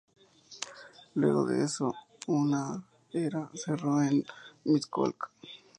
Luego de eso, una era cerró en Miskolc.